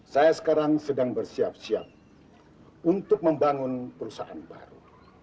saya sekarang sedang bersiap siap untuk membangun perusahaan baru